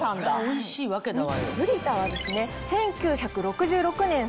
おいしいわけだわ。